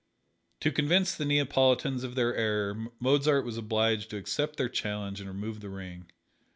To convince the Neapolitans of their error Mozart was obliged to accept their challenge and remove the ring.